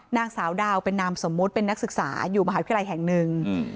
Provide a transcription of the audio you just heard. นางสาวดาวเป็นนามสมมุติเป็นนักศึกษาอยู่มหาวิทยาลัยแห่งหนึ่ง